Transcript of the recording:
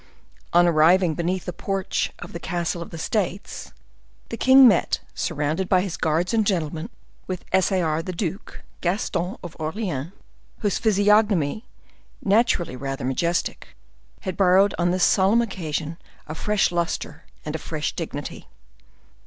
On arriving beneath the porch of the Castle of the States, the king met, surrounded by his guards and gentlemen, with S. A. R. the duke, Gaston of Orleans, whose physiognomy, naturally rather majestic, had borrowed on this solemn occasion a fresh luster and a fresh dignity.